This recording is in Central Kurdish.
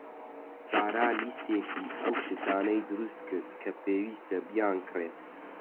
سارا لیستێکی ئەو شتانەی دروست کرد کە پێویستە بیانکڕێت.